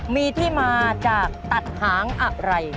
มีที่มาจากตัดหางอะไร